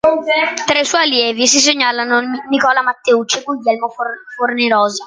Tra i suoi allievi si segnalano Nicola Matteucci e Guglielmo Forni Rosa.